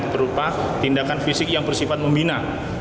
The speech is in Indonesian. berupa tindakan fisik yang bersifat membina